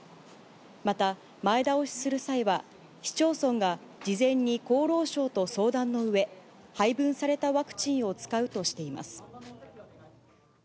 また、前倒しする際は、市町村が事前に厚労省と相談のうえ、配分されたワクチンを使うとしています。